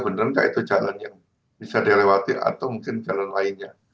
benarkah itu jalan yang bisa dilewati atau mungkin jalan lainnya